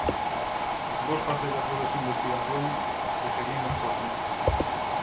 Vós facede as vosas investigacións e seguimos co asunto.